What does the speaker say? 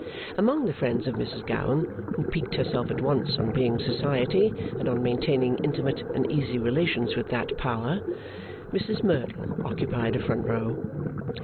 Among the friends of Mrs Gowan (who piqued herself at once on being Society, and on maintaining intimate and easy relations with that Power), Mrs Merdle occupied a front row.